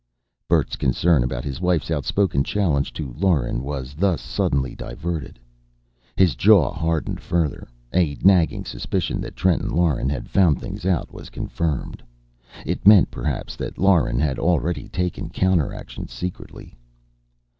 Bert's concern about his wife's outspoken challenge to Lauren was thus suddenly diverted. His jaw hardened further. A nagging suspicion that Trenton Lauren had found things out, was confirmed. It meant, perhaps, that Lauren had already taken counteraction secretly.